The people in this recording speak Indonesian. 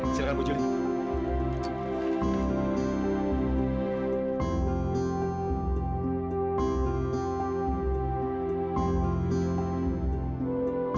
silakan bu julie